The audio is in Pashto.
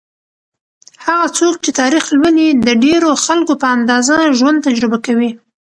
هغه څوک چې تاریخ لولي، د ډېرو خلکو په اندازه ژوند تجربه کوي.